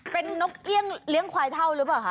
เป็นนกเอี่ยงเลี้ยงควายเท่าหรือเปล่าคะ